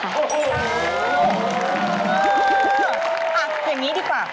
อย่างนี้ดีกว่า